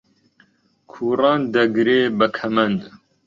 کوڕان دەگرێ بە کەمەند